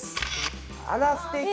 あらすてき！